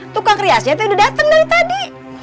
tukang kriasnya teh udah dateng dari tadi